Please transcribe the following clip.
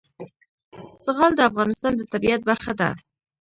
زغال د افغانستان د طبیعت برخه ده.